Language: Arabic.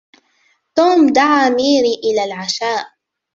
توم دعا ميري إلى العشاء.